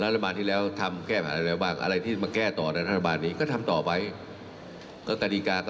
สัตว์ภาพไม่มีข้อ